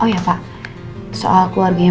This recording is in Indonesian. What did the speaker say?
oh ya pak soal keluarganya